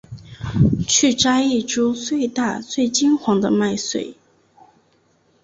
去摘一株最大最金黄的麦穗